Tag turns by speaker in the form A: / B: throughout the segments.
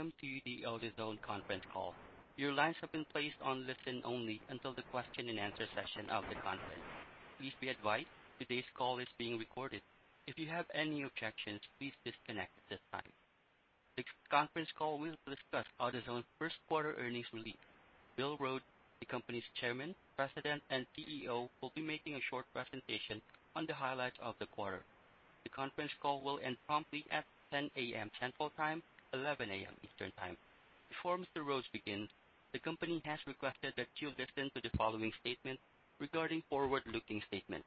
A: Welcome to the AutoZone conference call. Your lines have been placed on listen only until the question and answer session of the conference. Please be advised, today's call is being recorded. If you have any objections, please disconnect at this time. This conference call will discuss AutoZone's first quarter earnings release. Bill Rhodes, the company's Chairman, President, and CEO, will be making a short presentation on the highlights of the quarter. The conference call will end promptly at 10:00 A.M. Central Time, 11:00 A.M. Eastern Time. Before Mr. Rhodes begins, the company has requested that you listen to the following statement regarding forward-looking statement.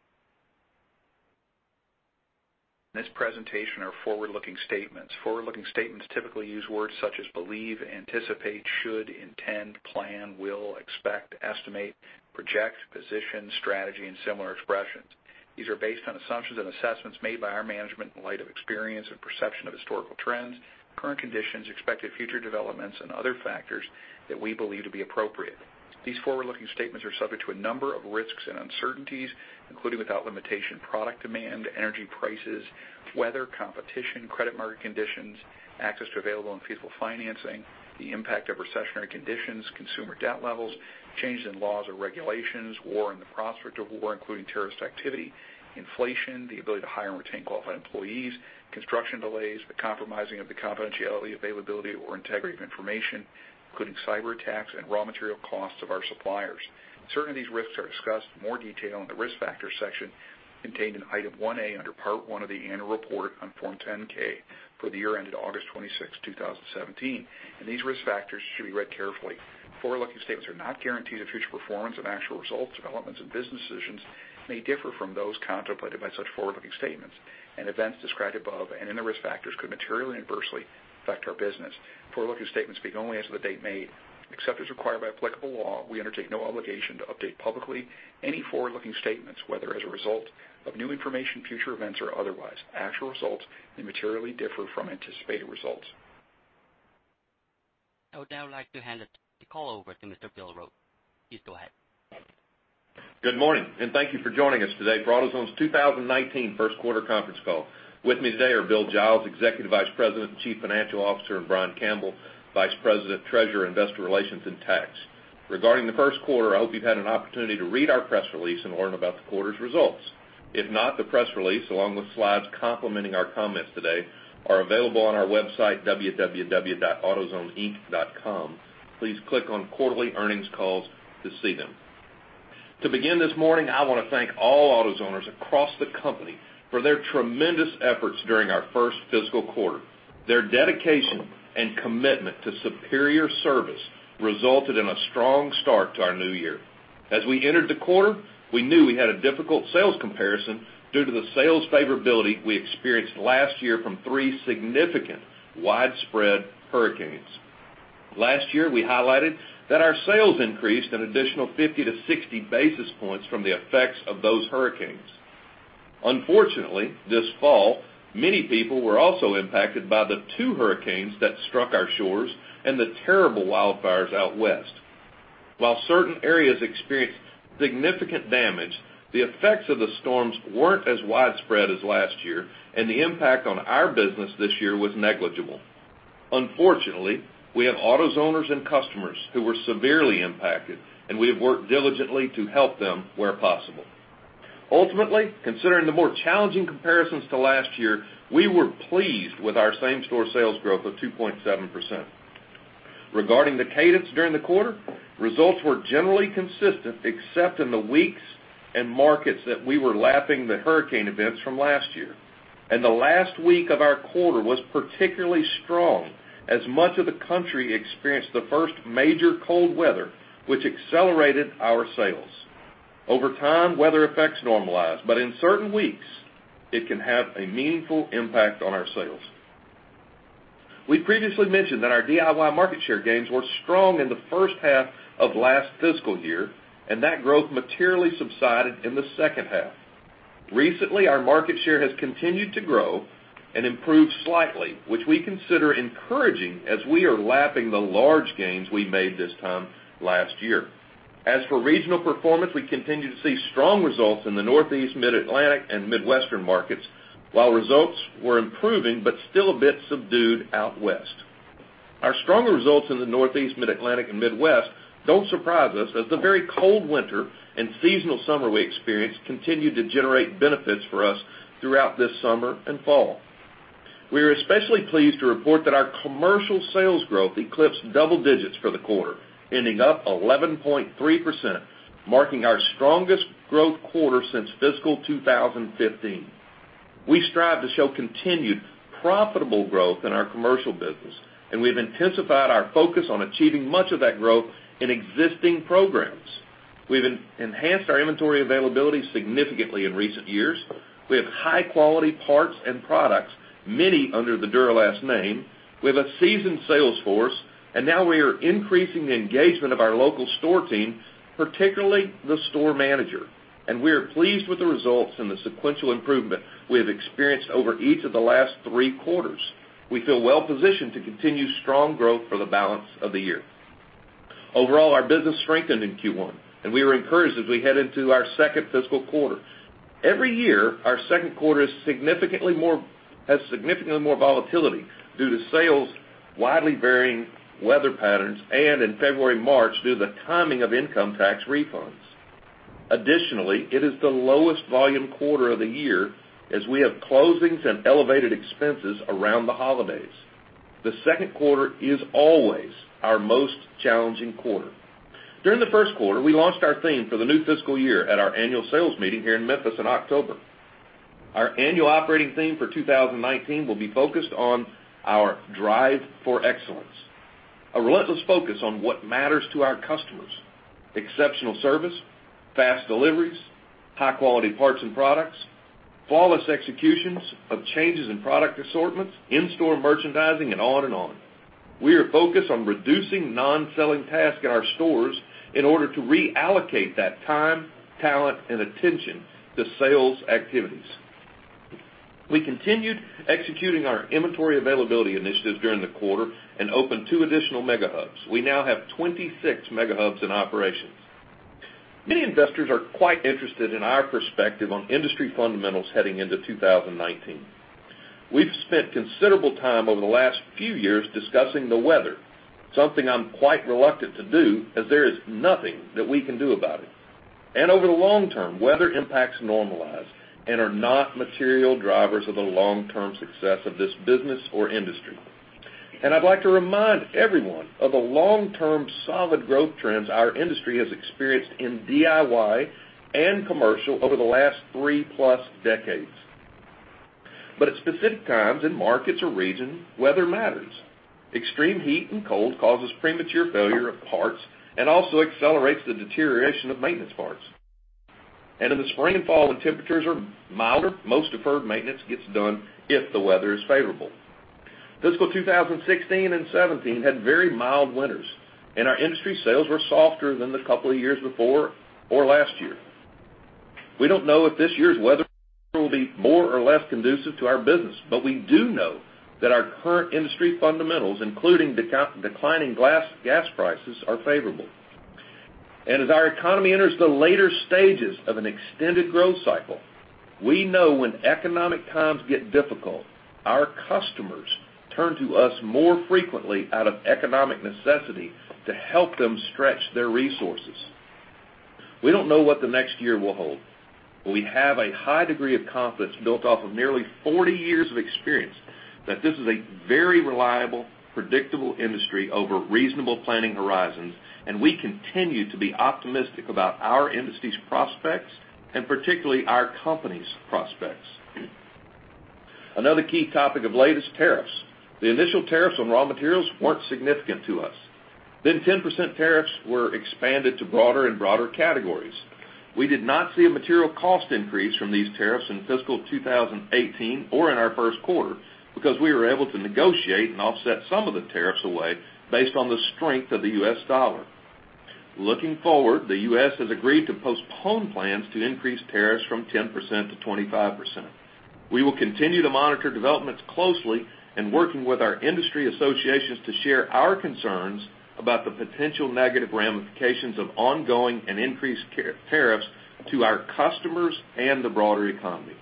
B: This presentation are forward-looking statements. Forward-looking statements typically use words such as believe, anticipate, should, intend, plan, will, expect, estimate, project, position, strategy, and similar expressions. These are based on assumptions and assessments made by our management in light of experience and perception of historical trends, current conditions, expected future developments, and other factors that we believe to be appropriate. These forward-looking statements are subject to a number of risks and uncertainties, including without limitation, product demand, energy prices, weather, competition, credit market conditions, access to available and feasible financing, the impact of recessionary conditions, consumer debt levels, changes in laws or regulations, war and the prospect of war, including terrorist activity, inflation, the ability to hire and retain qualified employees, construction delays, the compromising of the confidentiality, availability, or integrity of information, including cyber attacks and raw material costs of our suppliers. Certain of these risks are discussed in more detail in the Risk Factors section contained in Item 1A under Part One of the annual report on Form 10-K for the year ended August 26, 2017. These risk factors should be read carefully. Forward-looking statements are not guarantees of future performance, and actual results, developments, and business decisions may differ from those contemplated by such forward-looking statements. Events described above and in the risk factors could materially adversely affect our business. Forward-looking statements speak only as of the date made. Except as required by applicable law, we undertake no obligation to update publicly any forward-looking statements, whether as a result of new information, future events, or otherwise. Actual results may materially differ from anticipated results.
A: I would now like to hand the call over to Mr. Bill Rhodes. Please go ahead.
B: Good morning. Thank you for joining us today for AutoZone's 2019 first quarter conference call. With me today are Bill Giles, Executive Vice President and Chief Financial Officer, and Brian Campbell, Vice President, Treasurer, Investor Relations and Tax. Regarding the first quarter, I hope you've had an opportunity to read our press release and learn about the quarter's results. If not, the press release, along with slides complementing our comments today, are available on our website, autozoneinc.com. Please click on Quarterly Earnings Calls to see them. To begin this morning, I want to thank all AutoZoners across the company for their tremendous efforts during our first fiscal quarter. Their dedication and commitment to superior service resulted in a strong start to our new year. As we entered the quarter, we knew we had a difficult sales comparison due to the sales favorability we experienced last year from three significant widespread hurricanes. Last year, we highlighted that our sales increased an additional 50 to 60 basis points from the effects of those hurricanes. Unfortunately, this fall, many people were also impacted by the two hurricanes that struck our shores and the terrible wildfires out West. While certain areas experienced significant damage, the effects of the storms weren't as widespread as last year, and the impact on our business this year was negligible. Unfortunately, we have AutoZoners and customers who were severely impacted, and we have worked diligently to help them where possible. Ultimately, considering the more challenging comparisons to last year, we were pleased with our same-store sales growth of 2.7%. Regarding the cadence during the quarter, results were generally consistent except in the weeks and markets that we were lapping the hurricane events from last year. The last week of our quarter was particularly strong, as much of the country experienced the first major cold weather, which accelerated our sales. Over time, weather effects normalize, but in certain weeks, it can have a meaningful impact on our sales. We previously mentioned that our DIY market share gains were strong in the first half of last fiscal year, and that growth materially subsided in the second half. Recently, our market share has continued to grow and improved slightly, which we consider encouraging as we are lapping the large gains we made this time last year. As for regional performance, we continue to see strong results in the Northeast, Mid-Atlantic, and Midwestern markets. While results were improving but still a bit subdued out West. Our stronger results in the Northeast, Mid-Atlantic, and Midwest don't surprise us, as the very cold winter and seasonal summer we experienced continued to generate benefits for us throughout this summer and fall. We are especially pleased to report that our commercial sales growth eclipsed double digits for the quarter, ending up 11.3%, marking our strongest growth quarter since fiscal 2015. We strive to show continued profitable growth in our commercial business, and we've intensified our focus on achieving much of that growth in existing programs. We've enhanced our inventory availability significantly in recent years. We have high-quality parts and products, many under the Duralast name. We have a seasoned sales force, and now we are increasing the engagement of our local store team, particularly the store manager, and we are pleased with the results and the sequential improvement we have experienced over each of the last three quarters. We feel well-positioned to continue strong growth for the balance of the year. Overall, our business strengthened in Q1, and we were encouraged as we head into our second fiscal quarter. Additionally, it is the lowest volume quarter of the year, as we have closings and elevated expenses around the holidays. The second quarter is always our most challenging quarter. During the first quarter, we launched our theme for the new fiscal year at our annual sales meeting here in Memphis in October. Our annual operating theme for 2019 will be focused on our Drive for Excellence, a relentless focus on what matters to our customers, exceptional service, fast deliveries, high-quality parts and products, flawless executions of changes in product assortments, in-store merchandising, and on and on. We are focused on reducing non-selling tasks in our stores in order to reallocate that time, talent, and attention to sales activities. We continued executing our inventory availability initiatives during the quarter and opened two additional mega hubs. We now have 26 mega hubs in operation. Many investors are quite interested in our perspective on industry fundamentals heading into 2019. We've spent considerable time over the last few years discussing the weather, something I'm quite reluctant to do as there is nothing that we can do about it. Over the long term, weather impacts normalize and are not material drivers of the long-term success of this business or industry. I'd like to remind everyone of the long-term solid growth trends our industry has experienced in DIY and commercial over the last three-plus decades. At specific times in markets or regions, weather matters. Extreme heat and cold causes premature failure of parts and also accelerates the deterioration of maintenance parts. In the spring and fall, when temperatures are milder, most deferred maintenance gets done if the weather is favorable. Fiscal 2016 and 2017 had very mild winters, and our industry sales were softer than the couple of years before or last year. We don't know if this year's weather will be more or less conducive to our business, but we do know that our current industry fundamentals, including declining gas prices, are favorable. As our economy enters the later stages of an extended growth cycle, we know when economic times get difficult, our customers turn to us more frequently out of economic necessity to help them stretch their resources. We don't know what the next year will hold, but we have a high degree of confidence built off of nearly 40 years of experience that this is a very reliable, predictable industry over reasonable planning horizons, and we continue to be optimistic about our industry's prospects and particularly our company's prospects. Another key topic of late is tariffs. The initial tariffs on raw materials weren't significant to us. 10% tariffs were expanded to broader and broader categories. We did not see a material cost increase from these tariffs in fiscal 2018 or in our first quarter because we were able to negotiate and offset some of the tariffs away based on the strength of the U.S. dollar. Looking forward, the U.S. has agreed to postpone plans to increase tariffs from 10% to 25%. We will continue to monitor developments closely and working with our industry associations to share our concerns about the potential negative ramifications of ongoing and increased tariffs to our customers and the broader economy.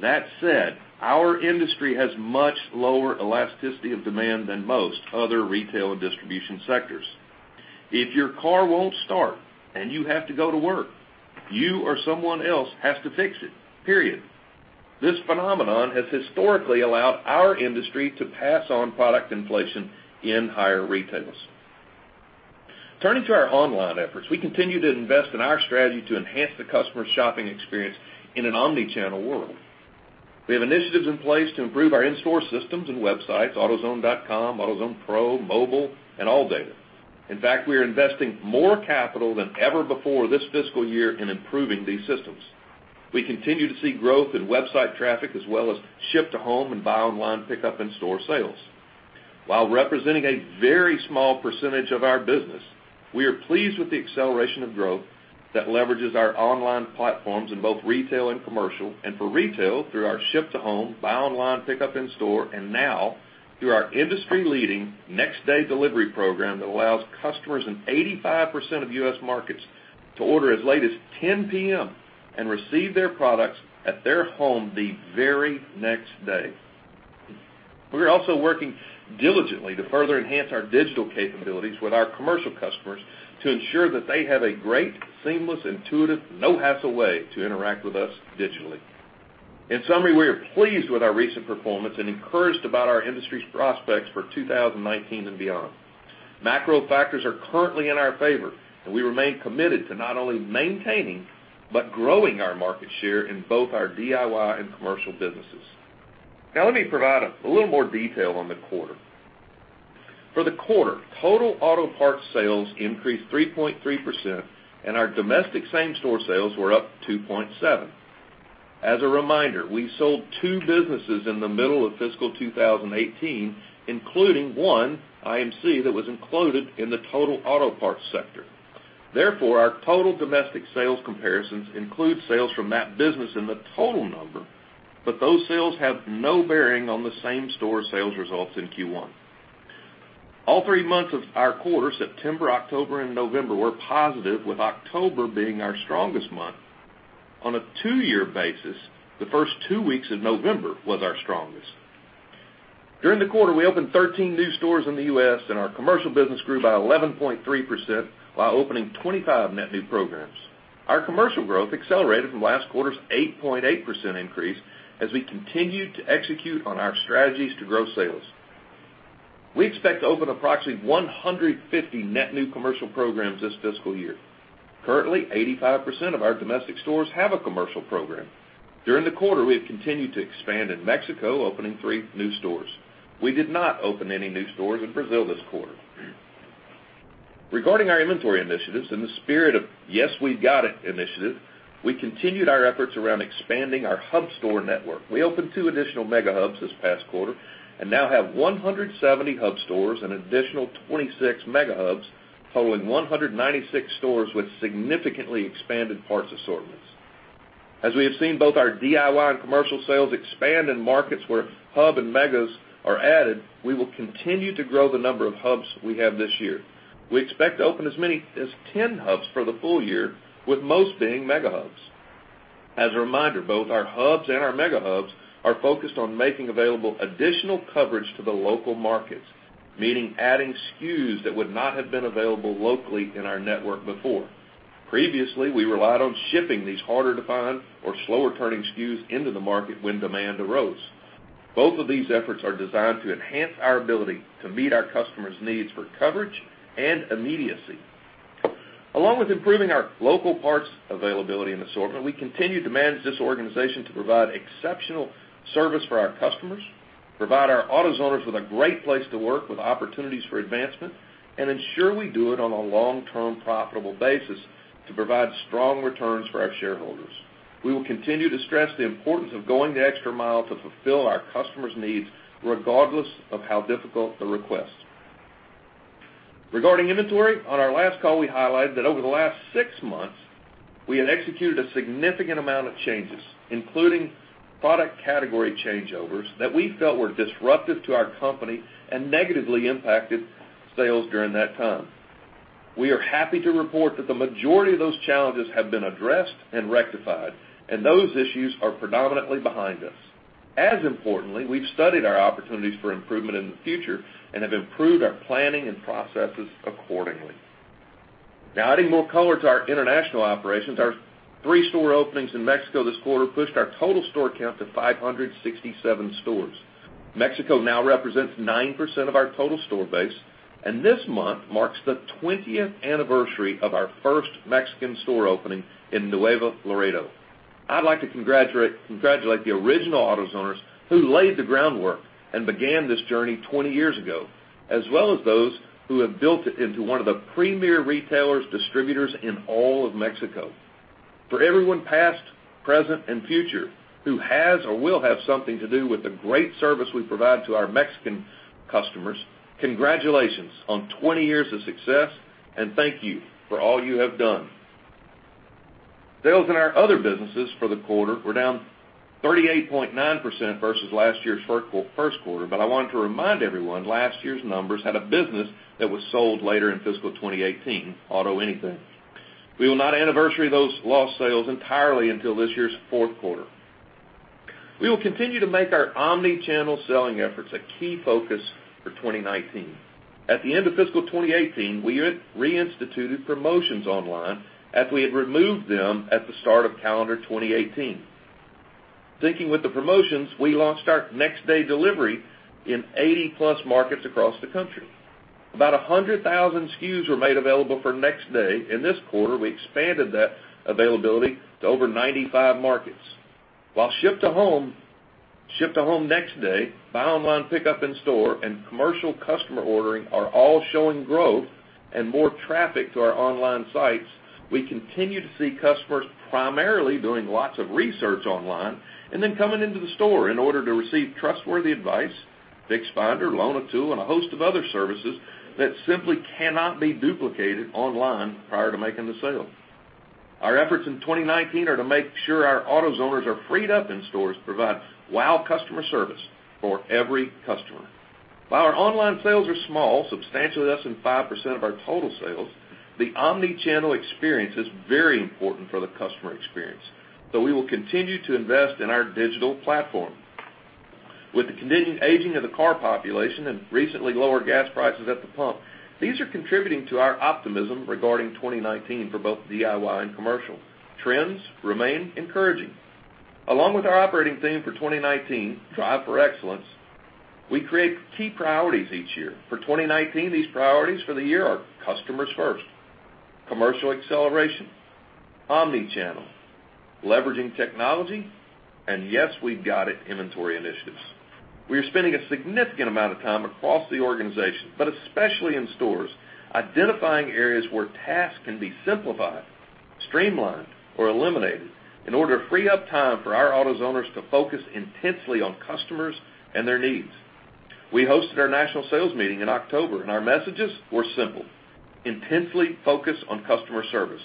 B: That said, our industry has much lower elasticity of demand than most other retail and distribution sectors. If your car won't start and you have to go to work, you or someone else has to fix it. Period. This phenomenon has historically allowed our industry to pass on product inflation in higher retails. Turning to our online efforts, we continue to invest in our strategy to enhance the customer shopping experience in an omni-channel world. We have initiatives in place to improve our in-store systems and websites, autozone.com, AutoZone Pro, mobile, and ALLDATA. In fact, we are investing more capital than ever before this fiscal year in improving these systems. We continue to see growth in website traffic as well as ship-to-home and buy online, pickup in-store sales. While representing a very small percentage of our business, we are pleased with the acceleration of growth that leverages our online platforms in both retail and commercial, and for retail through our ship-to-home, buy online, pickup in-store, and now through our industry-leading next day delivery program that allows customers in 85% of U.S. markets to order as late as 10:00 P.M. and receive their products at their home the very next day. We are also working diligently to further enhance our digital capabilities with our commercial customers to ensure that they have a great, seamless, intuitive, no-hassle way to interact with us digitally. In summary, we are pleased with our recent performance and encouraged about our industry's prospects for 2019 and beyond. Macro factors are currently in our favor, and we remain committed to not only maintaining but growing our market share in both our DIY and commercial businesses. Now let me provide a little more detail on the quarter. For the quarter, total auto parts sales increased 3.3%, and our domestic same-store sales were up 2.7%. As a reminder, we sold two businesses in the middle of fiscal 2018, including one, IMC, that was included in the total auto parts sector. Therefore, our total domestic sales comparisons include sales from that business in the total number, but those sales have no bearing on the same-store sales results in Q1. All three months of our quarter, September, October, and November, were positive, with October being our strongest month. On a two-year basis, the first two weeks of November was our strongest. During the quarter, we opened 13 new stores in the U.S., and our commercial business grew by 11.3%, while opening 25 net new programs. Our commercial growth accelerated from last quarter's 8.8% increase as we continued to execute on our strategies to grow sales. We expect to open approximately 150 net new commercial programs this fiscal year. Currently, 85% of our domestic stores have a commercial program. During the quarter, we have continued to expand in Mexico, opening three new stores. We did not open any new stores in Brazil this quarter. Regarding our inventory initiatives, in the spirit of Yes, We've Got It initiative, we continued our efforts around expanding our hub store network. We opened two additional mega hubs this past quarter and now have 170 hub stores, an additional 26 mega hubs, totaling 196 stores with significantly expanded parts assortments. As we have seen both our DIY and commercial sales expand in markets where hub and megas are added, we will continue to grow the number of hubs we have this year. We expect to open as many as 10 hubs for the full year, with most being mega hubs. As a reminder, both our hubs and our mega hubs are focused on making available additional coverage to the local markets, meaning adding SKUs that would not have been available locally in our network before. Previously, we relied on shipping these harder-to-find or slower-turning SKUs into the market when demand arose. Both of these efforts are designed to enhance our ability to meet our customers' needs for coverage and immediacy. Along with improving our local parts availability and assortment, we continue to manage this organization to provide exceptional service for our customers, provide our AutoZoners with a great place to work with opportunities for advancement, and ensure we do it on a long-term profitable basis to provide strong returns for our shareholders. We will continue to stress the importance of going the extra mile to fulfill our customers' needs, regardless of how difficult the request. Regarding inventory, on our last call, we highlighted that over the last six months, we had executed a significant amount of changes, including product category changeovers that we felt were disruptive to our company and negatively impacted sales during that time. We are happy to report that the majority of those challenges have been addressed and rectified, and those issues are predominantly behind us. As importantly, we've studied our opportunities for improvement in the future and have improved our planning and processes accordingly. Now adding more color to our international operations, our three store openings in Mexico this quarter pushed our total store count to 567 stores. Mexico now represents 9% of our total store base, and this month marks the 20th anniversary of our first Mexican store opening in Nuevo Laredo. I'd like to congratulate the original AutoZoners who laid the groundwork and began this journey 20 years ago, as well as those who have built it into one of the premier retailers, distributors in all of Mexico. For everyone, past, present, and future, who has or will have something to do with the great service we provide to our Mexican customers, congratulations on 20 years of success, and thank you for all you have done. Sales in our other businesses for the quarter were down 38.9% versus last year's first quarter. I wanted to remind everyone last year's numbers had a business that was sold later in fiscal 2018, AutoAnything. We will not anniversary those lost sales entirely until this year's fourth quarter. At the end of fiscal 2018, we had reinstituted promotions online as we had removed them at the start of calendar 2018. Thinking with the promotions, we launched our next-day delivery in 80-plus markets across the country. About 100,000 SKUs were made available for next day. In this quarter, we expanded that availability to over 95 markets. While ship to home next day, buy online, pickup in store, and commercial customer ordering are all showing growth and more traffic to our online sites, we continue to see customers primarily doing lots of research online and then coming into the store in order to receive trustworthy advice, Fix Finder, Loan-A-Tool, and a host of other services that simply cannot be duplicated online prior to making the sale. Our efforts in 2019 are to make sure our AutoZoners are freed up in stores to provide wow customer service for every customer. While our online sales are small, substantially less than 5% of our total sales, the omni-channel experience is very important for the customer experience. We will continue to invest in our digital platform. With the continued aging of the car population and recently lower gas prices at the pump, these are contributing to our optimism regarding 2019 for both DIY and commercial. Trends remain encouraging. Along with our operating theme for 2019, Drive for Excellence, we create key priorities each year. For 2019, these priorities for the year are customers first, commercial acceleration, omni-channel, leveraging technology, and Yes, We've Got It inventory initiatives. We are spending a significant amount of time across the organization, but especially in stores, identifying areas where tasks can be simplified, streamlined, or eliminated in order to free up time for our AutoZoners to focus intensely on customers and their needs. We hosted our national sales meeting in October, and our messages were simple: intensely focus on customer service.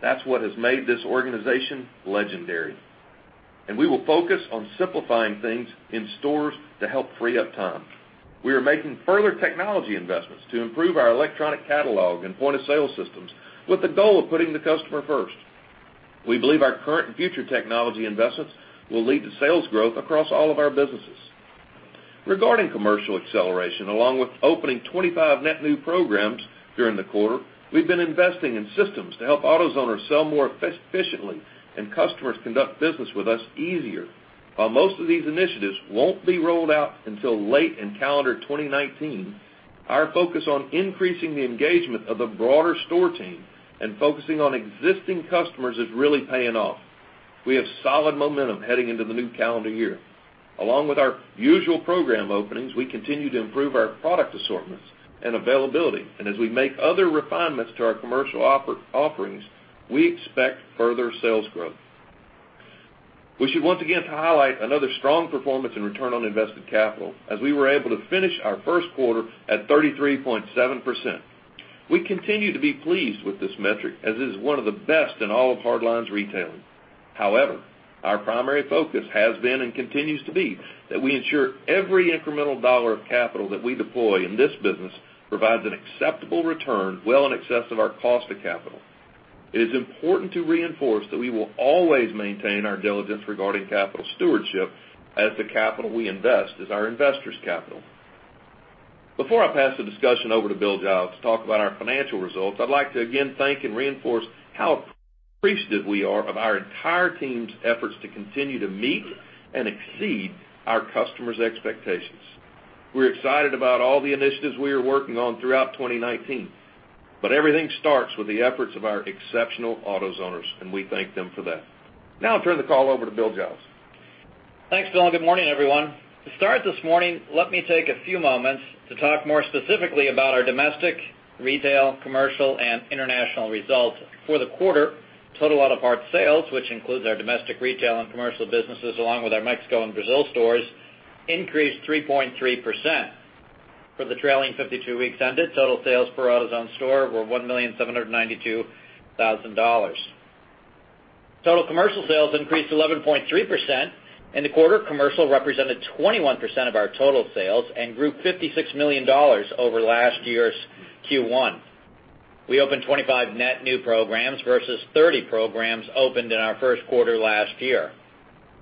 B: That's what has made this organization legendary, and we will focus on simplifying things in stores to help free up time. We are making further technology investments to improve our electronic catalog and point-of-sale systems with the goal of putting the customer first. We believe our current future technology investments will lead to sales growth across all of our businesses. Regarding commercial acceleration, along with opening 25 net new programs during the quarter, we've been investing in systems to help AutoZoners sell more efficiently and customers conduct business with us easier. While most of these initiatives won't be rolled out until late in calendar 2019, our focus on increasing the engagement of the broader store team and focusing on existing customers is really paying off. We have solid momentum heading into the new calendar year. Along with our usual program openings, we continue to improve our product assortments and availability. As we make other refinements to our commercial offerings, we expect further sales growth. We should once again highlight another strong performance in return on invested capital, as we were able to finish our first quarter at 33.7%. We continue to be pleased with this metric, as it is one of the best in all of hardlines retailing. However, our primary focus has been and continues to be that we ensure every incremental dollar of capital that we deploy in this business provides an acceptable return well in excess of our cost of capital. It is important to reinforce that we will always maintain our diligence regarding capital stewardship as the capital we invest is our investors' capital. Before I pass the discussion over to Bill Giles to talk about our financial results, I'd like to again thank and reinforce how appreciative we are of our entire team's efforts to continue to meet and exceed our customers' expectations. We are excited about all the initiatives we are working on throughout 2019. Everything starts with the efforts of our exceptional AutoZoners, and we thank them for that. I will turn the call over to Bill Giles.
C: Thanks, Bill, and good morning, everyone. To start this morning, let me take a few moments to talk more specifically about our domestic, retail, commercial, and international results for the quarter. Total auto parts sales, which includes our domestic retail and commercial businesses, along with our Mexico and Brazil stores, increased 3.3%. For the trailing 52 weeks ended, total sales per AutoZone store were $1,792,000. Total commercial sales increased 11.3%. In the quarter, commercial represented 21% of our total sales and grew $56 million over last year's Q1. We opened 25 net new programs versus 30 programs opened in our first quarter last year.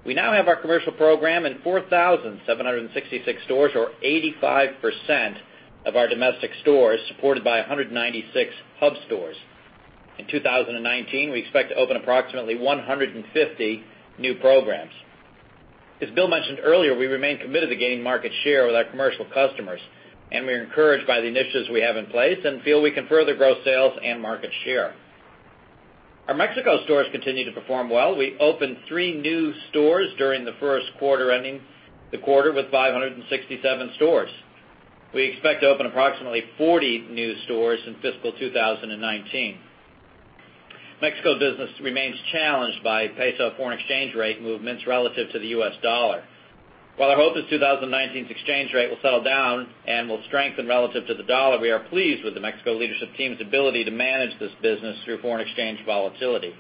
C: We now have our commercial program in 4,766 stores, or 85% of our domestic stores, supported by 196 hub stores. In 2019, we expect to open approximately 150 new programs. As Bill mentioned earlier, we remain committed to gaining market share with our commercial customers. We are encouraged by the initiatives we have in place and feel we can further grow sales and market share. Our Mexico stores continue to perform well. We opened three new stores during the first quarter, ending the quarter with 567 stores. We expect to open approximately 40 new stores in fiscal 2019. Mexico business remains challenged by peso foreign exchange rate movements relative to the U.S. dollar. Our hope is 2019's exchange rate will settle down and will strengthen relative to the dollar. We are pleased with the Mexico leadership team's ability to manage this business through foreign exchange volatility.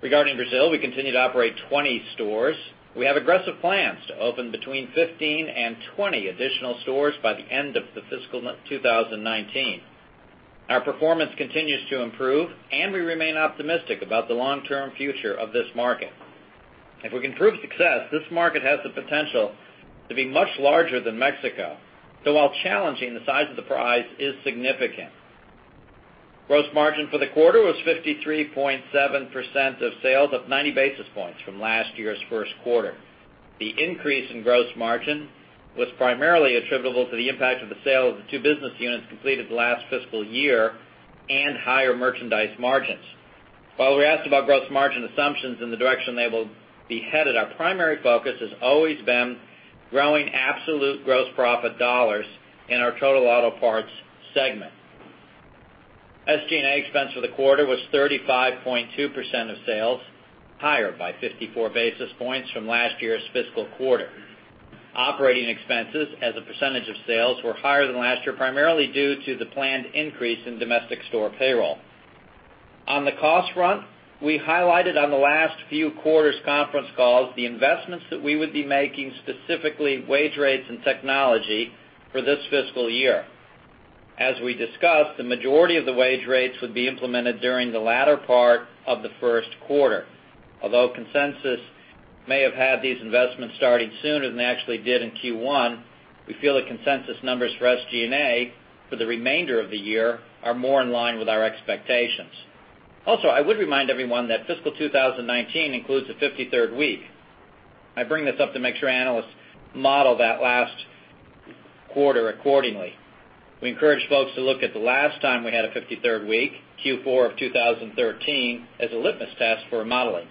C: Regarding Brazil, we continue to operate 20 stores. We have aggressive plans to open between 15 and 20 additional stores by the end of the fiscal 2019. Our performance continues to improve. We remain optimistic about the long-term future of this market. If we can prove success, this market has the potential to be much larger than Mexico. While challenging, the size of the prize is significant. Gross margin for the quarter was 53.7% of sales, up 90 basis points from last year's first quarter. The increase in gross margin was primarily attributable to the impact of the sale of the two business units completed the last fiscal year and higher merchandise margins. While we are asked about gross margin assumptions and the direction they will be headed, our primary focus has always been growing absolute gross profit dollars in our total auto parts segment. SG&A expense for the quarter was 35.2% of sales, higher by 54 basis points from last year's fiscal quarter. Operating expenses as a percentage of sales were higher than last year, primarily due to the planned increase in domestic store payroll. On the cost front, we highlighted on the last few quarters' conference calls the investments that we would be making, specifically wage rates and technology, for this fiscal year. As we discussed, the majority of the wage rates would be implemented during the latter part of the first quarter. Although consensus may have had these investments starting sooner than they actually did in Q1, we feel the consensus numbers for SG&A for the remainder of the year are more in line with our expectations. Also, I would remind everyone that fiscal 2019 includes a 53rd week. I bring this up to make sure analysts model that last quarter accordingly. We encourage folks to look at the last time we had a 53rd week, Q4 of 2013, as a litmus test for modeling.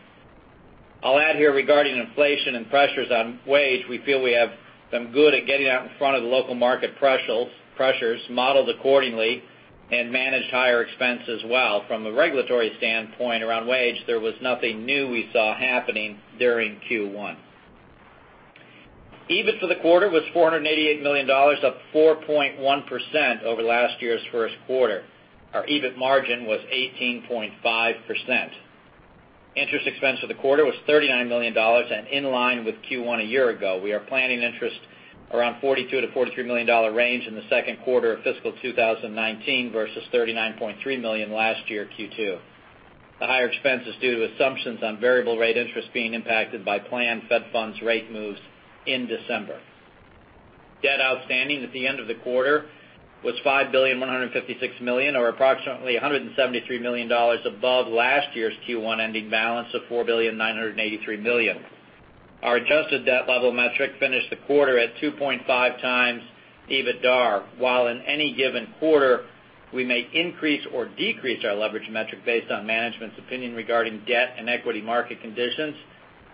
C: I'll add here regarding inflation and pressures on wage, we feel we have been good at getting out in front of the local market pressures modeled accordingly. And managed higher expense as well. From a regulatory standpoint around wage, there was nothing new we saw happening during Q1. EBIT for the quarter was $488 million, up 4.1% over last year's first quarter. Our EBIT margin was 18.5%. Interest expense for the quarter was $39 million and in line with Q1 a year ago. We are planning interest around $42 million-$43 million range in the second quarter of fiscal 2019 versus $39.3 million last year, Q2. The higher expense is due to assumptions on variable rate interest being impacted by planned Fed funds rate moves in December. Debt outstanding at the end of the quarter was $5.156 billion, or approximately $173 million above last year's Q1 ending balance of $4.983 billion. Our adjusted debt level metric finished the quarter at 2.5x EBITDAR. While in any given quarter, we may increase or decrease our leverage metric based on management's opinion regarding debt and equity market conditions,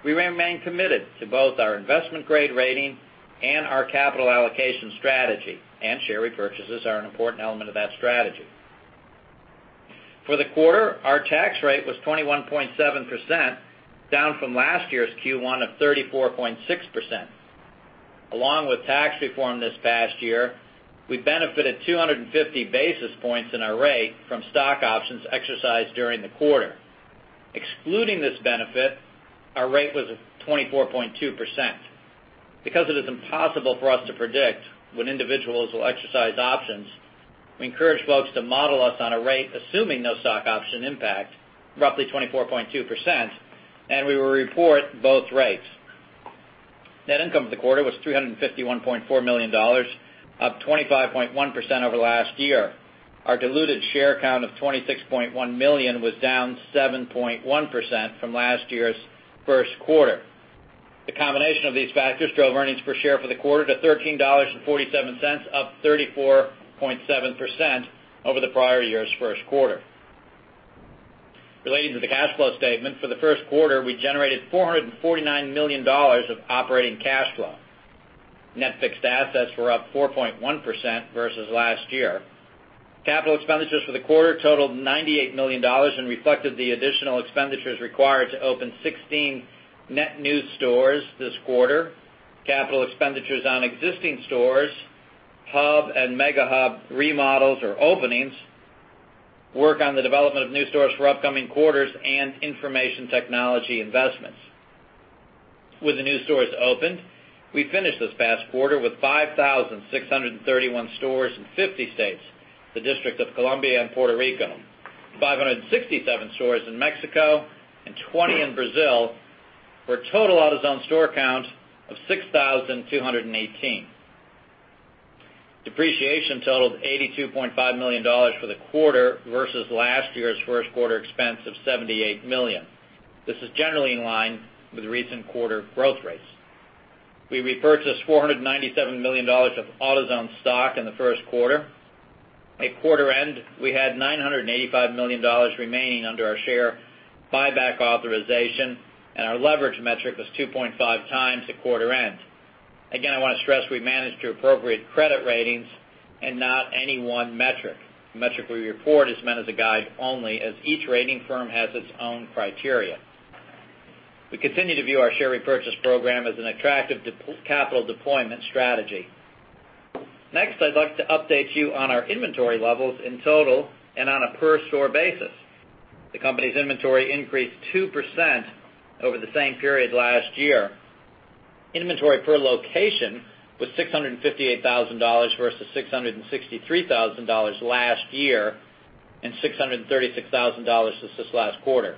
C: we remain committed to both our investment grade rating and our capital allocation strategy. Share repurchases are an important element of that strategy. For the quarter, our tax rate was 21.7%, down from last year's Q1 of 34.6%. Along with tax reform this past year, we benefited 250 basis points in our rate from stock options exercised during the quarter. Excluding this benefit, our rate was at 24.2%. Because it is impossible for us to predict when individuals will exercise options, we encourage folks to model us on a rate assuming no stock option impact, roughly 24.2%. We will report both rates. Net income for the quarter was $351.4 million, up 25.1% over last year. Our diluted share count of 26.1 million was down 7.1% from last year's first quarter. The combination of these factors drove earnings per share for the quarter to $13.47, up 34.7% over the prior year's first quarter. Relating to the cash flow statement, for the first quarter, we generated $449 million of operating cash flow. Net fixed assets were up 4.1% versus last year. Capital expenditures for the quarter totaled $98 million and reflected the additional expenditures required to open 16 net new stores this quarter. Capital expenditures on existing stores, hub and mega hub remodels or openings, work on the development of new stores for upcoming quarters, and information technology investments. With the new stores opened, we finished this past quarter with 5,631 stores in 50 states, D.C. and Puerto Rico, 567 stores in Mexico and 20 in Brazil, for a total AutoZone store count of 6,218. Depreciation totaled $82.5 million for the quarter versus last year's first quarter expense of $78 million. This is generally in line with recent quarter growth rates. We repurchased $497 million of AutoZone stock in the first quarter. At quarter end, we had $985 million remaining under our share buyback authorization, and our leverage metric was 2.5 times at quarter end. Again, I want to stress we manage to appropriate credit ratings and not any one metric. The metric we report is meant as a guide only, as each rating firm has its own criteria. We continue to view our share repurchase program as an attractive capital deployment strategy. I'd like to update you on our inventory levels in total and on a per store basis. The company's inventory increased 2% over the same period last year. Inventory per location was $658,000 versus $663,000 last year and $636,000 since this last quarter.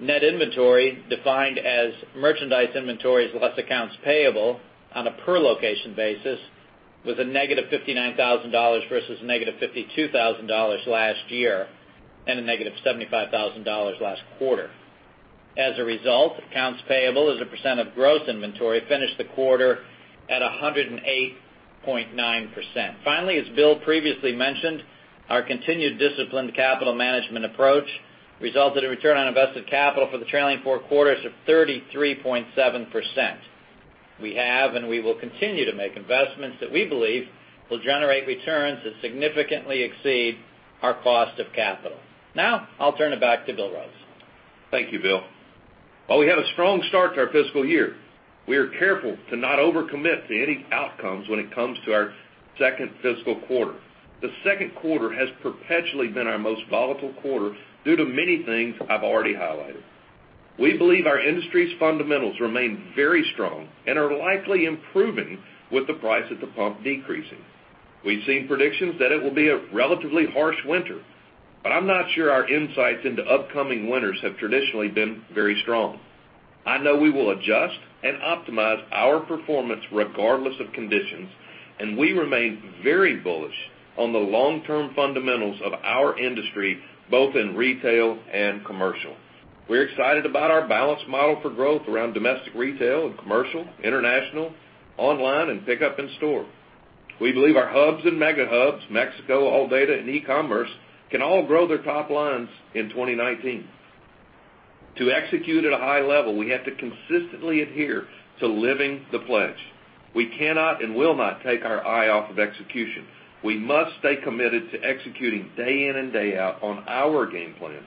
C: Net inventory, defined as merchandise inventories less accounts payable on a per location basis, was a negative $59,000 versus negative $52,000 last year and a negative $75,000 last quarter. As a result, accounts payable as a percent of gross inventory finished the quarter at 108.9%. Finally, as Bill previously mentioned, our continued disciplined capital management approach resulted in return on invested capital for the trailing four quarters of 33.7%. We have and we will continue to make investments that we believe will generate returns that significantly exceed our cost of capital. I'll turn it back to Bill Rhodes.
B: Thank you, Bill. While we have a strong start to our fiscal year, we are careful to not over-commit to any outcomes when it comes to our second fiscal quarter. The second quarter has perpetually been our most volatile quarter due to many things I've already highlighted. We believe our industry's fundamentals remain very strong and are likely improving with the price at the pump decreasing. We've seen predictions that it will be a relatively harsh winter, but I'm not sure our insights into upcoming winters have traditionally been very strong. I know we will adjust and optimize our performance regardless of conditions, and we remain very bullish on the long-term fundamentals of our industry, both in retail and commercial. We're excited about our balanced model for growth around domestic retail and commercial, international, online, and pickup in store. We believe our hubs and mega hubs, Mexico, ALLDATA, and e-commerce can all grow their top lines in 2019. To execute at a high level, we have to consistently adhere to living the pledge. We cannot and will not take our eye off of execution. We must stay committed to executing day in and day out on our game plan.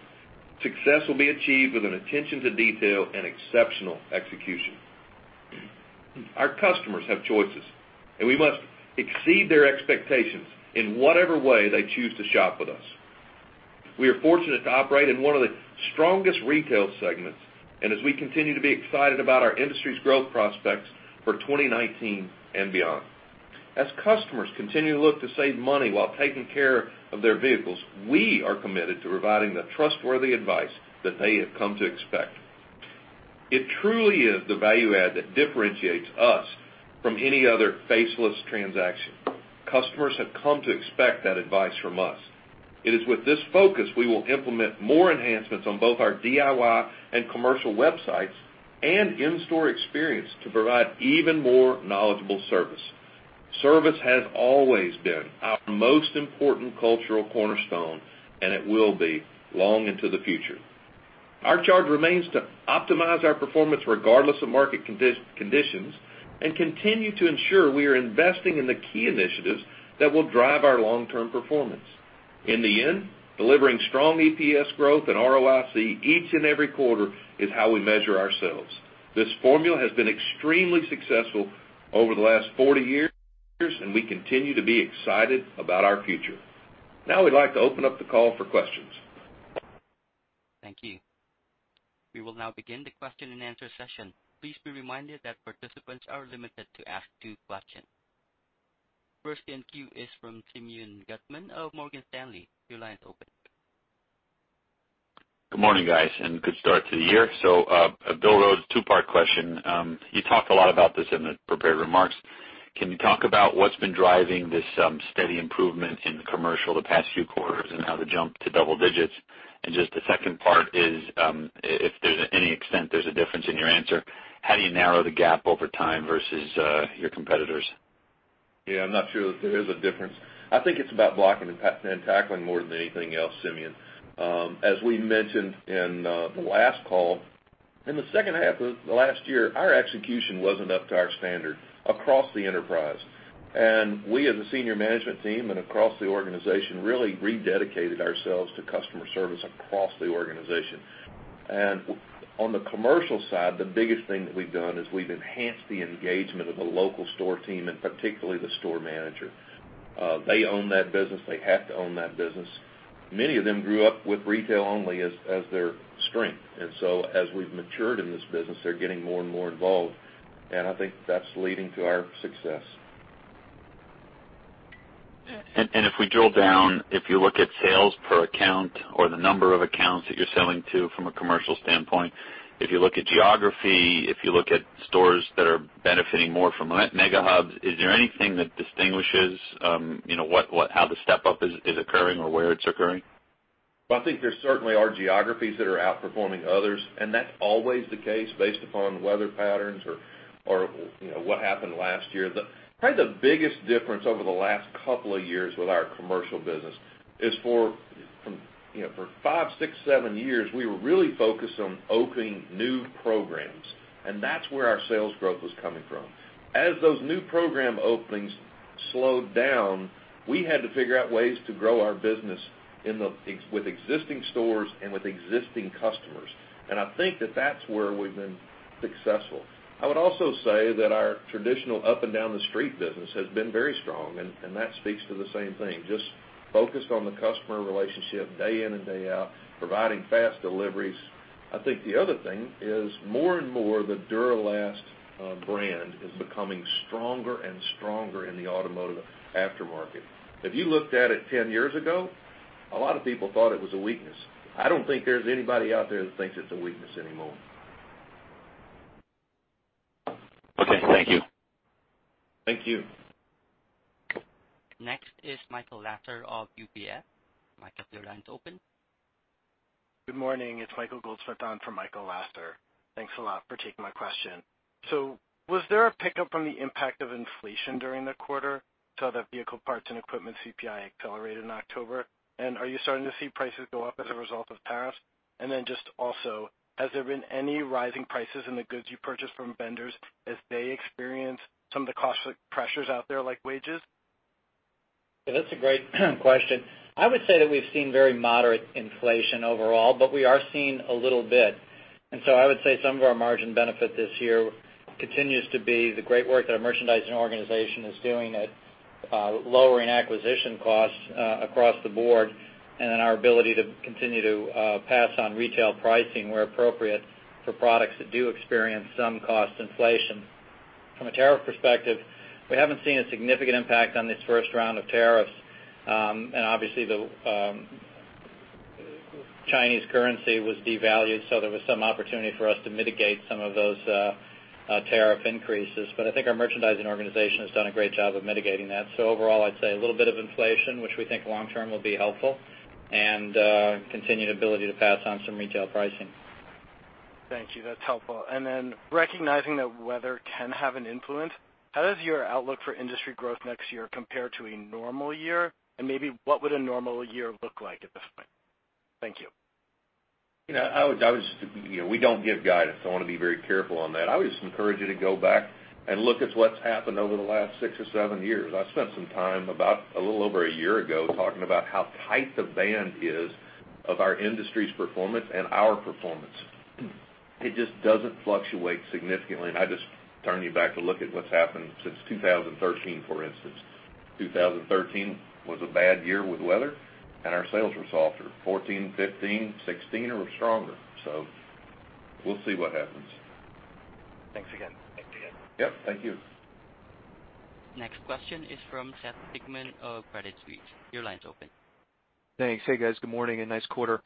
B: Success will be achieved with an attention to detail and exceptional execution. Our customers have choices, and we must exceed their expectations in whatever way they choose to shop with us. We are fortunate to operate in one of the strongest retail segments, and as we continue to be excited about our industry's growth prospects for 2019 and beyond. As customers continue to look to save money while taking care of their vehicles, we are committed to providing the trustworthy advice that they have come to expect. It truly is the value add that differentiates us from any other faceless transaction. Customers have come to expect that advice from us. It is with this focus, we will implement more enhancements on both our DIY and commercial websites and in-store experience to provide even more knowledgeable service. Service has always been our most important cultural cornerstone, and it will be long into the future. Our charge remains to optimize our performance regardless of market conditions and continue to ensure we are investing in the key initiatives that will drive our long-term performance. In the end, delivering strong EPS growth and ROIC each and every quarter is how we measure ourselves. This formula has been extremely successful over the last 40 years, and we continue to be excited about our future. Now we'd like to open up the call for questions.
A: Thank you. We will now begin the question and answer session. Please be reminded that participants are limited to ask two questions. First in queue is from Simeon Gutman of Morgan Stanley. Your line is open.
D: Good morning, guys, and good start to the year. Bill Rhodes, two-part question. You talked a lot about this in the prepared remarks. Can you talk about what's been driving this steady improvement in commercial the past few quarters and now the jump to double digits? Just the second part is if there's any extent there's a difference in your answer, how do you narrow the gap over time versus your competitors?
B: I'm not sure that there is a difference. I think it's about blocking and tackling more than anything else, Simeon. As we mentioned in the last call, in the second half of last year, our execution wasn't up to our standard across the enterprise. We, as a senior management team and across the organization, really rededicated ourselves to customer service across the organization. On the commercial side, the biggest thing that we've done is we've enhanced the engagement of the local store team and particularly the store manager. They own that business. They have to own that business. Many of them grew up with retail only as their strength. So as we've matured in this business, they're getting more and more involved, and I think that's leading to our success.
D: If we drill down, if you look at sales per account or the number of accounts that you're selling to from a commercial standpoint, if you look at geography, if you look at stores that are benefiting more from mega hubs, is there anything that distinguishes how the step-up is occurring or where it's occurring?
B: Well, I think there certainly are geographies that are outperforming others, and that's always the case based upon weather patterns or what happened last year. Probably the biggest difference over the last couple of years with our commercial business is for five, six, seven years, we were really focused on opening new programs, and that's where our sales growth was coming from. As those new program openings slowed down, we had to figure out ways to grow our business with existing stores and with existing customers. I think that that's where we've been successful. I would also say that our traditional up and down the street business has been very strong, and that speaks to the same thing. Just focused on the customer relationship day in and day out, providing fast deliveries. I think the other thing is more and more the Duralast brand is becoming stronger and stronger in the automotive aftermarket. If you looked at it 10 years ago, a lot of people thought it was a weakness. I don't think there's anybody out there that thinks it's a weakness anymore.
D: Okay. Thank you.
B: Thank you.
A: Next is Michael Lasser of UBS. Michael, your line is open.
E: Good morning. It's Michael Goldsmith on for Michael Lasser. Thanks a lot for taking my question. Was there a pickup on the impact of inflation during the quarter? Saw that vehicle parts and equipment CPI accelerated in October. Are you starting to see prices go up as a result of tariffs? Has there been any rising prices in the goods you purchase from vendors as they experience some of the cost pressures out there, like wages?
C: That's a great question. I would say that we've seen very moderate inflation overall, but we are seeing a little bit. I would say some of our margin benefit this year continues to be the great work that our merchandising organization is doing at lowering acquisition costs across the board and in our ability to continue to pass on retail pricing where appropriate for products that do experience some cost inflation. From a tariff perspective, we haven't seen a significant impact on this first round of tariffs. Obviously, the Chinese currency was devalued, so there was some opportunity for us to mitigate some of those tariff increases. I think our merchandising organization has done a great job of mitigating that. Overall, I'd say a little bit of inflation, which we think long term will be helpful, and continued ability to pass on some retail pricing.
E: Thank you. That's helpful. Recognizing that weather can have an influence, how does your outlook for industry growth next year compare to a normal year? Maybe what would a normal year look like at this point? Thank you.
B: We don't give guidance, I want to be very careful on that. I would just encourage you to go back and look at what's happened over the last six or seven years. I spent some time about a little over a year ago talking about how tight the band is of our industry's performance and our performance. It just doesn't fluctuate significantly. I'd just turn you back to look at what's happened since 2013, for instance. 2013 was a bad year with weather, and our sales were softer. 2014, 2015, 2016 were stronger. We'll see what happens.
E: Thanks again.
B: Yep. Thank you.
A: Next question is from Seth Sigman of Credit Suisse. Your line's open.
F: Thanks. Hey, guys. Good morning and nice quarter.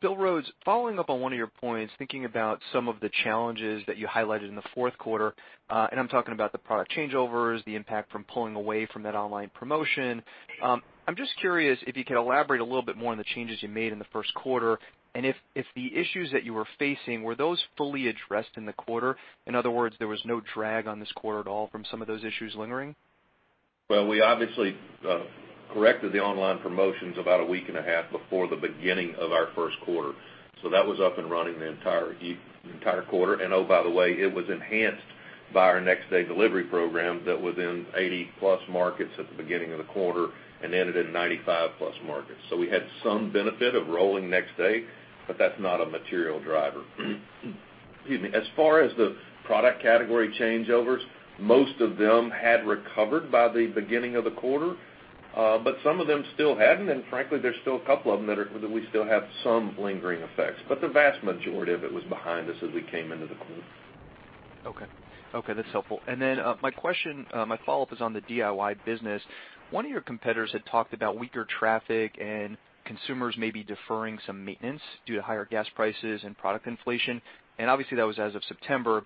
F: Bill Rhodes, following up on one of your points, thinking about some of the challenges that you highlighted in the fourth quarter. I'm talking about the product changeovers, the impact from pulling away from that online promotion. I'm just curious if you could elaborate a little bit more on the changes you made in the first quarter. If the issues that you were facing, were those fully addressed in the quarter? In other words, there was no drag on this quarter at all from some of those issues lingering?
B: Well, we obviously corrected the online promotions about a week and a half before the beginning of our first quarter. That was up and running the entire quarter. Oh, by the way, it was enhanced by our next day delivery program that was in 80-plus markets at the beginning of the quarter and ended in 95-plus markets. We had some benefit of rolling next day, but that's not a material driver. Excuse me. As far as the product category changeovers, most of them had recovered by the beginning of the quarter. Some of them still hadn't. Frankly, there's still a couple of them that we still have some lingering effects. The vast majority of it was behind us as we came into the quarter.
F: Okay. That's helpful. My follow-up is on the DIY business. One of your competitors had talked about weaker traffic and consumers maybe deferring some maintenance due to higher gas prices and product inflation. Obviously, that was as of September.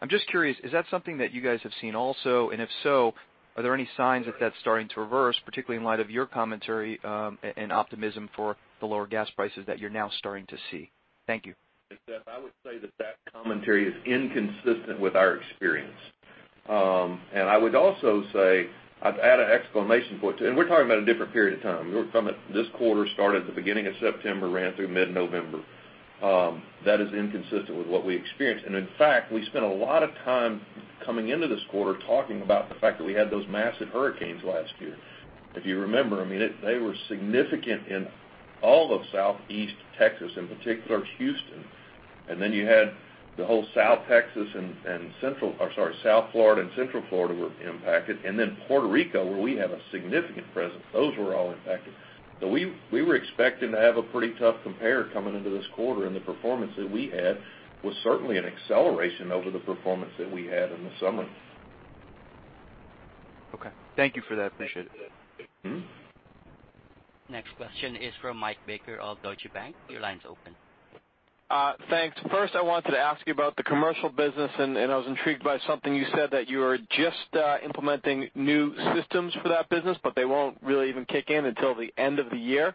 F: I'm just curious, is that something that you guys have seen also? If so, are there any signs that that's starting to reverse, particularly in light of your commentary and optimism for the lower gas prices that you're now starting to see? Thank you.
B: Hey, Seth, I would say that commentary is inconsistent with our experience. I would also say, I'd add an exclamation point to it. We're talking about a different period of time. This quarter started at the beginning of September, ran through mid-November. That is inconsistent with what we experienced. In fact, we spent a lot of time coming into this quarter talking about the fact that we had those massive hurricanes last year. If you remember, they were significant in all of Southeast Texas, in particular Houston. You had the whole South Florida and Central Florida were impacted. Puerto Rico, where we have a significant presence. Those were all impacted. We were expecting to have a pretty tough compare coming into this quarter, and the performance that we had was certainly an acceleration over the performance that we had in the summer.
F: Okay. Thank you for that. Appreciate it.
A: Next question is from Mike Baker of Deutsche Bank. Your line's open.
G: Thanks. First, I wanted to ask you about the commercial business. I was intrigued by something you said that you are just implementing new systems for that business, but they won't really even kick in until the end of the year.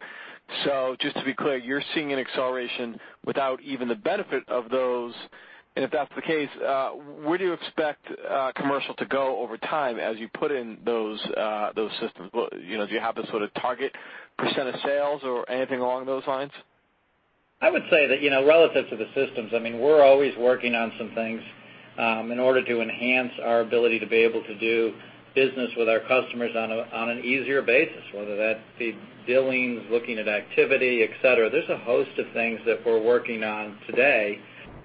G: Just to be clear, you're seeing an acceleration without even the benefit of those. If that's the case, where do you expect commercial to go over time as you put in those systems? Do you have a sort of target % of sales or anything along those lines?
C: I would say that relative to the systems, we're always working on some things in order to enhance our ability to be able to do business with our customers on an easier basis, whether that be billings, looking at activity, et cetera. There's a host of things that we're working on today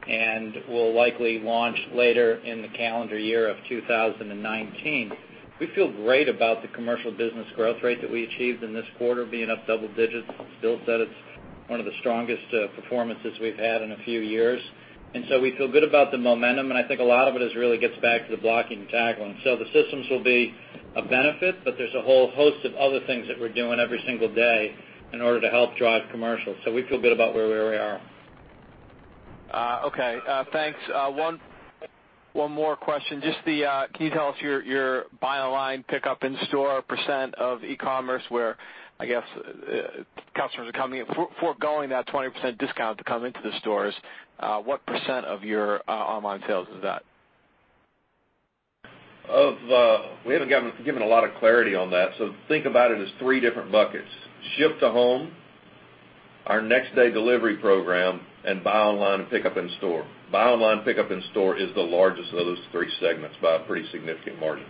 C: and will likely launch later in the calendar year of 2019. We feel great about the commercial business growth rate that we achieved in this quarter being up double digits. Bill said it's one of the strongest performances we've had in a few years. We feel good about the momentum, and I think a lot of it really gets back to the blocking and tackling. The systems will be a benefit, but there's a whole host of other things that we're doing every single day in order to help drive commercial. We feel good about where we are.
G: Okay. Thanks. One more question. Can you tell us your buy online, pick up in store % of e-commerce where, I guess, customers are foregoing that 20% discount to come into the stores? What % of your online sales is that?
B: We haven't given a lot of clarity on that. Think about it as three different buckets. Shipped to home, our next day delivery program, and buy online and pick up in store. Buy online, pick up in store is the largest of those three segments by a pretty significant margin.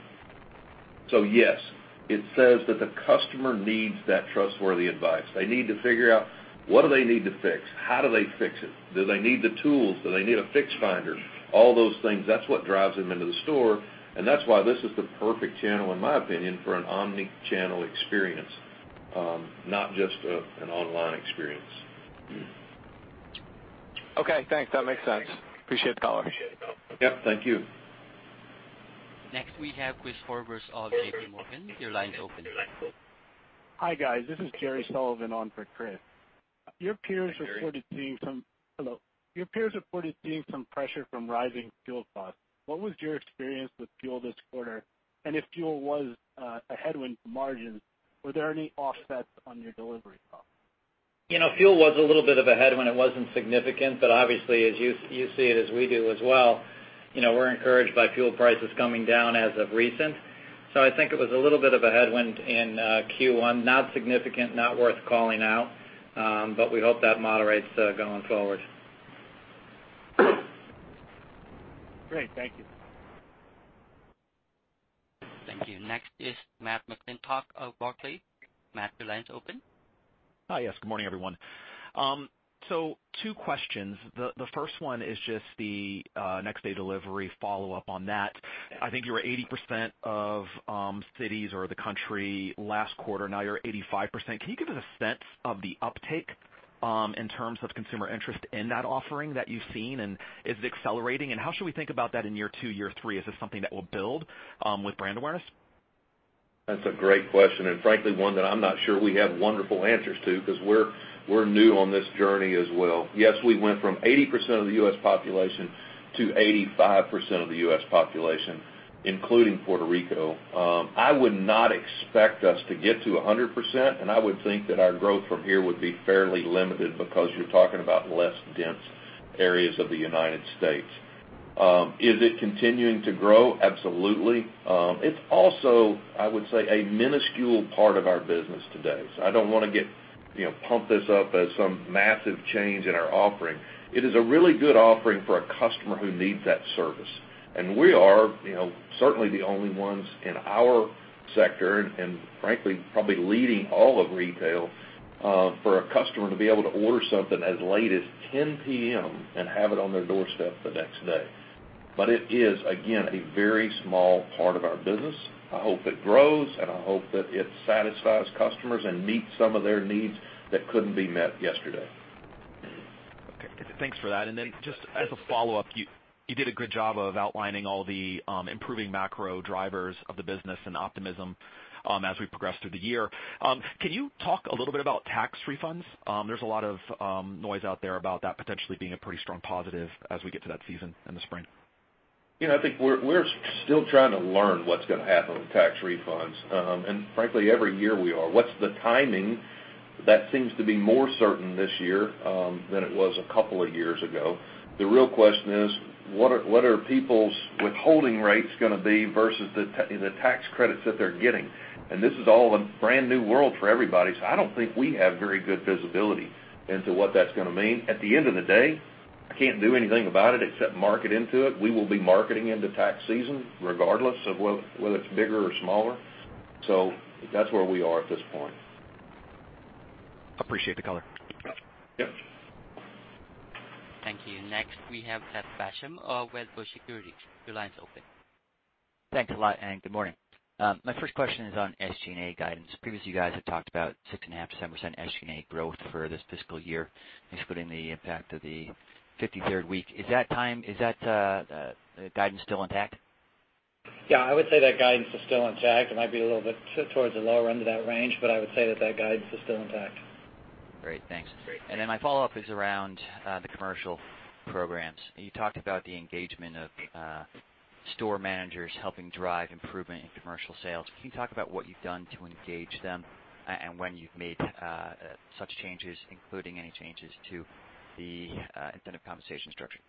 B: Yes, it says that the customer needs that trustworthy advice. They need to figure out what do they need to fix, how do they fix it? Do they need the tools? Do they need a Fix Finder? All those things. That's what drives them into the store, and that's why this is the perfect channel, in my opinion, for an omni-channel experience. Not just an online experience.
G: Okay, thanks. That makes sense. Appreciate the call.
B: Yep, thank you.
A: Next we have Chris Horvers of JPMorgan. Your line's open.
H: Hi, guys. This is Jerry Sullivan on for Chris.
B: Hi, Jerry.
H: Hello. Your peers reported seeing some pressure from rising fuel costs. What was your experience with fuel this quarter? If fuel was a headwind for margins, were there any offsets on your delivery costs?
C: Fuel was a little bit of a headwind. It wasn't significant, but obviously, you see it as we do as well. We're encouraged by fuel prices coming down as of recent. I think it was a little bit of a headwind in Q1. Not significant, not worth calling out, but we hope that moderates going forward.
H: Great. Thank you.
A: Thank you. Next is Matt McClintock of Barclays. Matt, your line's open.
I: Hi, yes. Good morning, everyone. Two questions. The first one is just the next day delivery follow-up on that. I think you were 80% of cities or the country last quarter, now you're 85%. Can you give us a sense of the uptake, in terms of consumer interest in that offering that you've seen, and is it accelerating? How should we think about that in year two, year three? Is this something that will build with brand awareness?
B: That's a great question, and frankly, one that I'm not sure we have wonderful answers to because we're new on this journey as well. Yes, we went from 80% of the U.S. population to 85% of the U.S. population, including Puerto Rico. I would not expect us to get to 100%, and I would think that our growth from here would be fairly limited because you're talking about less dense areas of the United States. Is it continuing to grow? Absolutely. It's also, I would say, a minuscule part of our business today. I don't want to pump this up as some massive change in our offering. It is a really good offering for a customer who needs that service. We are certainly the only ones in our sector, frankly, probably leading all of retail, for a customer to be able to order something as late as 10:00 P.M. and have it on their doorstep the next day. It is, again, a very small part of our business. I hope it grows, and I hope that it satisfies customers and meets some of their needs that couldn't be met yesterday.
I: Okay. Thanks for that. Then just as a follow-up, you did a good job of outlining all the improving macro drivers of the business and optimism as we progress through the year. Can you talk a little bit about tax refunds? There's a lot of noise out there about that potentially being a pretty strong positive as we get to that season in the spring.
B: I think we're still trying to learn what's going to happen with tax refunds. Frankly, every year we are. What's the timing? That seems to be more certain this year than it was a couple of years ago. The real question is, what are people's withholding rates going to be versus the tax credits that they're getting? This is all a brand new world for everybody, so I don't think we have very good visibility into what that's going to mean. At the end of the day, I can't do anything about it except market into it. We will be marketing into tax season regardless of whether it's bigger or smaller. That's where we are at this point.
I: Appreciate the color.
B: Yep.
A: Thank you. Next, we have Seth Basham of Wedbush Securities. Your line's open.
J: Thanks a lot. Good morning. My first question is on SG&A guidance. Previously, you guys had talked about 6.5%-7% SG&A growth for this fiscal year, excluding the impact of the 53rd week. Is that guidance still intact?
C: Yeah, I would say that guidance is still intact. It might be a little bit towards the lower end of that range, I would say that guidance is still intact.
J: Great. Thanks.
B: Great.
J: My follow-up is around the commercial programs. You talked about the engagement of store managers helping drive improvement in commercial sales. Can you talk about what you've done to engage them and when you've made such changes, including any changes to the incentive compensation structure?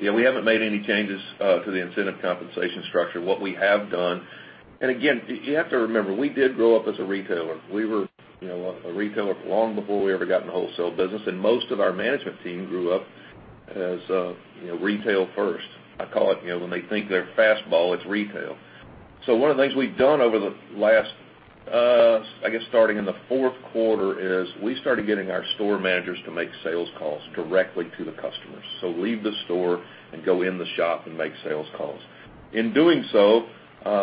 B: We haven't made any changes to the incentive compensation structure. What we have done, and again, you have to remember, we did grow up as a retailer. We were a retailer long before we ever got in the wholesale business, and most of our management team grew up as retail first. I call it when they think their fastball, it's retail. One of the things we've done over the last, I guess, starting in the fourth quarter, is we started getting our store managers to make sales calls directly to the customers. Leave the store and go in the shop and make sales calls. In doing so,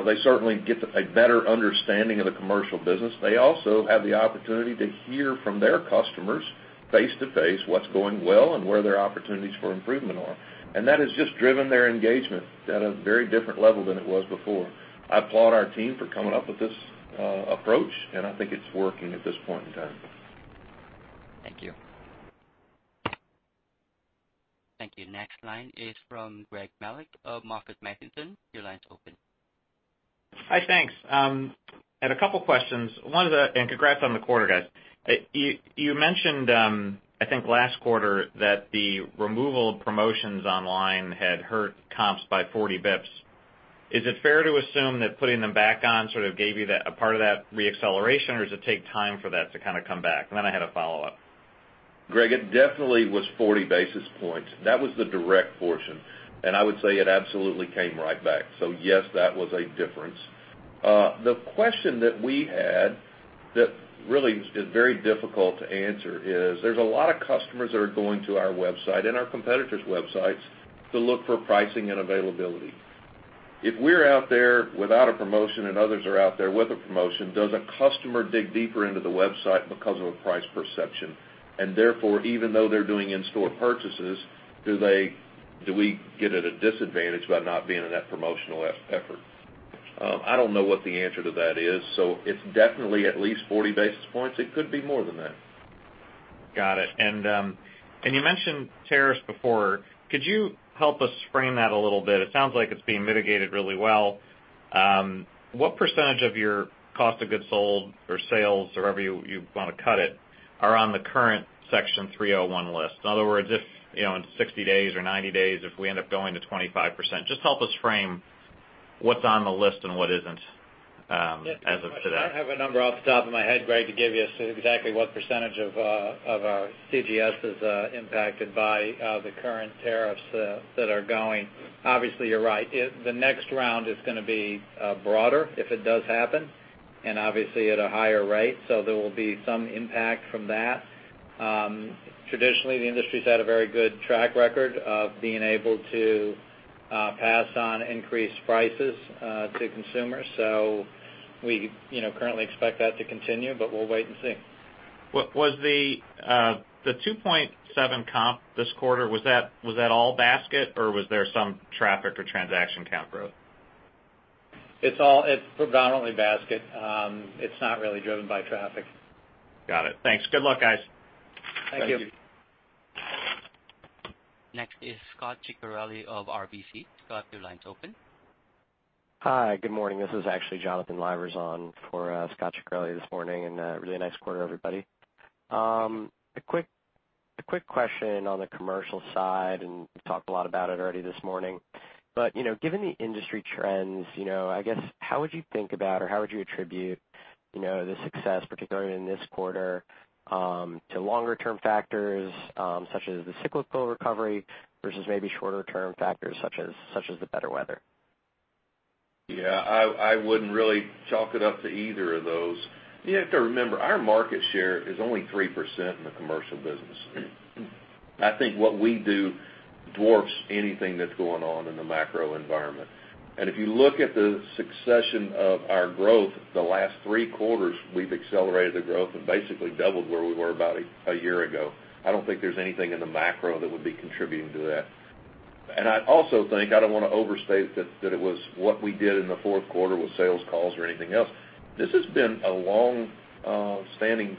B: they certainly get a better understanding of the commercial business. They also have the opportunity to hear from their customers face to face what's going well and where their opportunities for improvement are. That has just driven their engagement at a very different level than it was before. I applaud our team for coming up with this approach, and I think it's working at this point in time.
J: Thank you.
A: Thank you. Next line is from Greg Melich of MoffettNathanson. Your line is open.
K: Hi, thanks. I had a couple questions. Congrats on the quarter, guys. You mentioned, I think last quarter, that the removal of promotions online had hurt comps by 40 basis points. Is it fair to assume that putting them back on sort of gave you a part of that re-acceleration, or does it take time for that to kind of come back? Then I had a follow-up.
B: Greg, it definitely was 40 basis points. That was the direct portion. I would say it absolutely came right back. Yes, that was a difference. The question that we had that really is very difficult to answer is there's a lot of customers that are going to our website and our competitors' websites to look for pricing and availability. If we're out there without a promotion and others are out there with a promotion, does a customer dig deeper into the website because of a price perception? Therefore, even though they're doing in-store purchases, do we get at a disadvantage by not being in that promotional effort? I don't know what the answer to that is, it's definitely at least 40 basis points. It could be more than that.
K: Got it. You mentioned tariffs before. Could you help us frame that a little bit? It sounds like it's being mitigated really well. What percentage of your cost of goods sold or sales or however you want to cut it, are on the current Section 301 list? In other words, if in 60 days or 90 days, if we end up going to 25%, just help us frame what's on the list and what isn't as of today.
C: I don't have a number off the top of my head, Greg, to give you exactly what percentage of our COGS is impacted by the current tariffs that are going. Obviously, you're right. The next round is gonna be broader if it does happen, and obviously at a higher rate, so there will be some impact from that. Traditionally, the industry's had a very good track record of being able to pass on increased prices to consumers. We currently expect that to continue, but we'll wait and see
K: The 2.7 comp this quarter, was that all basket or was there some traffic or transaction count growth?
C: It's predominantly basket. It's not really driven by traffic.
K: Got it. Thanks. Good luck, guys.
C: Thank you.
A: Next is Scott Ciccarelli of RBC. Scott, your line's open.
L: Hi, good morning. This is actually Jonathan Livers on for Scott Ciccarelli this morning. A really nice quarter, everybody. A quick question on the commercial side. We've talked a lot about it already this morning. Given the industry trends, I guess, how would you think about or how would you attribute the success, particularly in this quarter, to longer term factors such as the cyclical recovery versus maybe shorter term factors such as the better weather?
B: I wouldn't really chalk it up to either of those. You have to remember, our market share is only 3% in the commercial business. I think what we do dwarfs anything that's going on in the macro environment. If you look at the succession of our growth the last three quarters, we've accelerated the growth and basically doubled where we were about a year ago. I don't think there's anything in the macro that would be contributing to that. I also think, I don't wanna overstate that it was what we did in the fourth quarter with sales calls or anything else. This has been a long-standing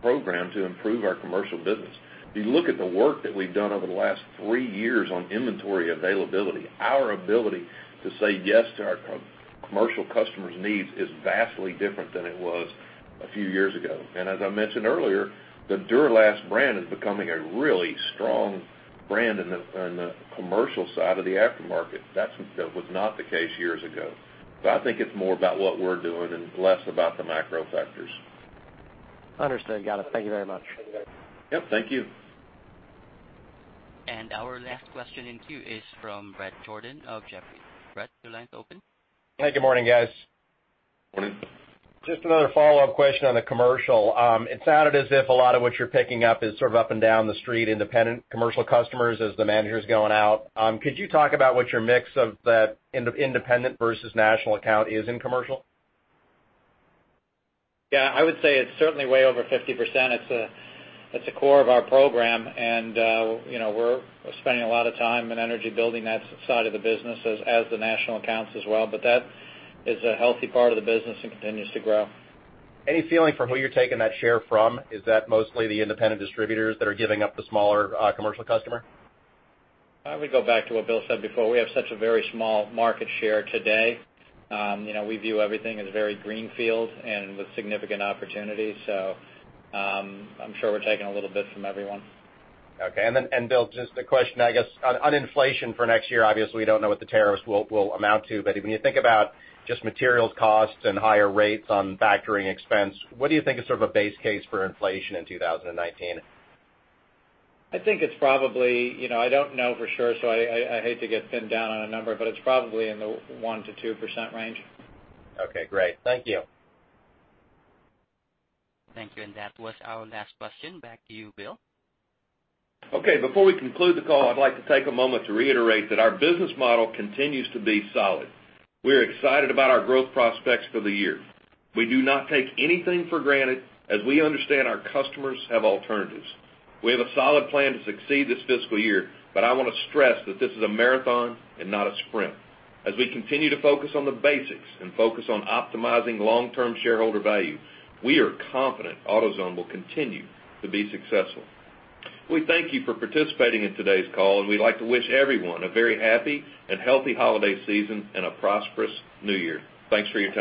B: program to improve our commercial business. If you look at the work that we've done over the last three years on inventory availability, our ability to say yes to our commercial customers' needs is vastly different than it was a few years ago. As I mentioned earlier, the Duralast brand is becoming a really strong brand in the commercial side of the aftermarket. That was not the case years ago. I think it's more about what we're doing and less about the macro factors.
L: Understood. Got it. Thank you very much.
B: Yep, thank you.
A: Our last question in queue is from Bret Jordan of Jefferies. Bret, your line is open.
M: Hey, good morning, guys.
B: Morning.
M: Just another follow-up question on the commercial. It sounded as if a lot of what you're picking up is sort of up and down the street, independent commercial customers as the manager's going out. Could you talk about what your mix of that independent versus national account is in commercial?
C: Yeah, I would say it's certainly way over 50%. It's a core of our program, and we're spending a lot of time and energy building that side of the business as the national accounts as well. That is a healthy part of the business and continues to grow.
M: Any feeling for who you're taking that share from? Is that mostly the independent distributors that are giving up the smaller commercial customer?
C: I would go back to what Bill said before. We have such a very small market share today. We view everything as very greenfield and with significant opportunities, so I'm sure we're taking a little bit from everyone.
M: Okay. Then, Bill, just a question, I guess, on inflation for next year, obviously, we don't know what the tariffs will amount to. When you think about just materials costs and higher rates on factoring expense, what do you think is sort of a base case for inflation in 2019?
C: I think it's probably, I don't know for sure, so I hate to get pinned down on a number, but it's probably in the 1%-2% range.
M: Okay, great. Thank you.
A: Thank you. That was our last question. Back to you, Bill.
B: Okay. Before we conclude the call, I'd like to take a moment to reiterate that our business model continues to be solid. We're excited about our growth prospects for the year. We do not take anything for granted, as we understand our customers have alternatives. We have a solid plan to succeed this fiscal year, but I wanna stress that this is a marathon and not a sprint. As we continue to focus on the basics and focus on optimizing long-term shareholder value, we are confident AutoZone will continue to be successful. We thank you for participating in today's call, and we'd like to wish everyone a very happy and healthy holiday season and a prosperous new year. Thanks for your time.